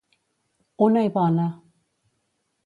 Una i bona.